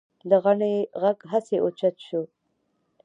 د غنړې غږ هسې اوچت شو.